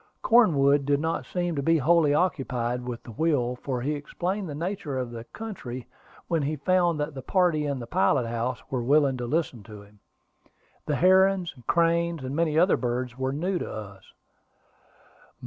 Cornwood did not seem to be wholly occupied with the wheel, for he explained the nature of the country when he found that the party in the pilot house were willing to listen to him. The herons, cranes, and many other birds were new to us.